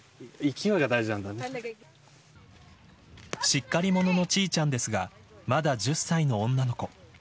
しっかり者のチーチャンですがまだ１０歳の女の子。